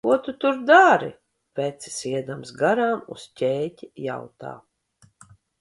"Ko tu tur dari?" vecis, iedams garām uz ķēķi jautā.